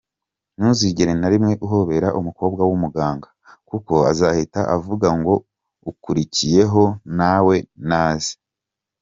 Ntuzigere na rimwe uhobera umukobwa w’umuganga kuko azahita avuga ngo"Ukurikiyeho nawe naze.